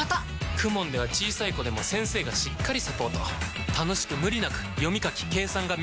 ＫＵＭＯＮ では小さい子でも先生がしっかりサポート楽しく無理なく読み書き計算が身につきます！